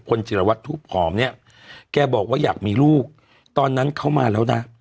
จิรวัตรทูบหอมเนี่ยแกบอกว่าอยากมีลูกตอนนั้นเขามาแล้วนะ